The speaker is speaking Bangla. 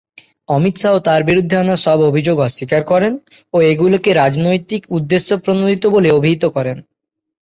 অমিত শাহ তার বিরুদ্ধে আনা সব অভিযোগ অস্বীকার করেন ও এগুলোকে রাজনৈতিক উদ্দেশ্যপ্রণোদিত বলে অভিহিত করেন।